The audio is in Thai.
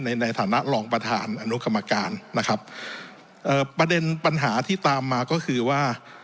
ในฐานะรองประธานอนุกรรมการนะครับเอ่อประเด็นปัญหาที่ตามมาก็คือว่า